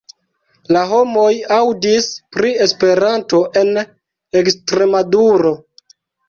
La homoj aŭdis pri Esperanto en Ekstremaduro.